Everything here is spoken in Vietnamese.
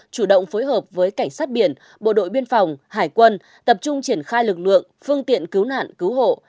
chủ động phối hợp với cảnh sát biển bộ đội biên phòng hải quân tập trung triển khai lực lượng phương tiện cứu nạn cứu hộ